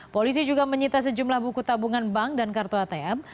polisi juga menyita sejumlah buku tabungan bank dan kartu atm